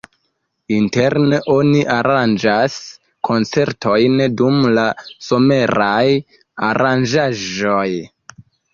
Interne oni aranĝas koncertojn dum la someraj aranĝaĵoj.